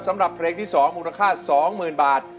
สำหรับเพลงที่๒มูลค่า๒๐๐๐บาท